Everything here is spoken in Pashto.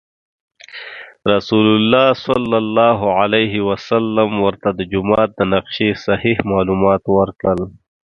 رسول الله صلی الله علیه وسلم ورته د جومات د نقشې صحیح معلومات ورکړل.